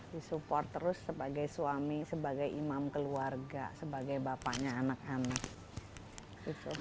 disupport terus sebagai suami sebagai imam keluarga sebagai bapaknya anak anak